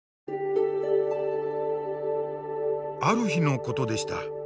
ある日のことでした。